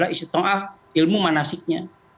isi to'ah ilmu manasiknya